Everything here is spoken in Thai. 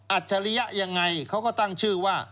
ฉริยะยังไงเขาก็ตั้งชื่อว่า